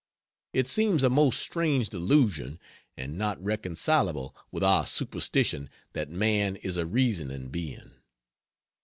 It seems a most strange delusion and not reconcilable with our superstition that man is a reasoning being.